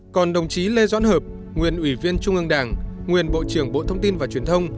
còn đồng chí lê doãn hợp nguyên ủy viên trung ương đảng nguyên bộ trưởng bộ thông tin và truyền thông